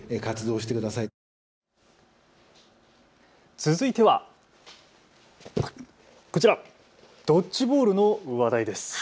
続いては、こちらドッジボールの話題です。